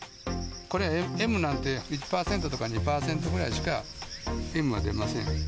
これＭなんて、１％とか２％ぐらいしかＭは出ません。